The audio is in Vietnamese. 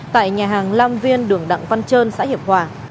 tại nhà hàng lam viên đường đặng văn trơn xã hiệp hòa